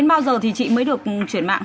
đến bao giờ thì chị mới được chuyển mạng